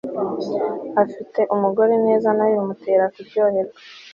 afite umugore neza nawe bimutere ku ryoherwa